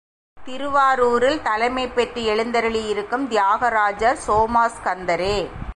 திருவாரூரில் தலைமை பெற்று எழுந்தருளியிருக்கும் தியாகராஜர் சோமாஸ்கந்தரே.